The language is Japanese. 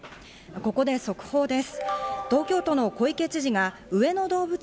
ここで速報です。